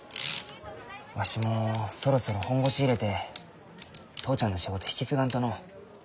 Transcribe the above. わしもそろそろ本腰入れて父ちゃんの仕事引き継がんとのう。